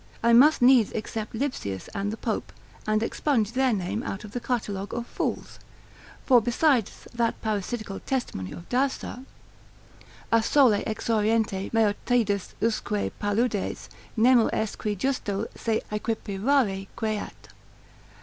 I must needs except Lipsius and the Pope, and expunge their name out of the catalogue of fools. For besides that parasitical testimony of Dousa, A Sole exoriente Maeotidas usque paludes, Nemo est qui justo se aequiparare queat.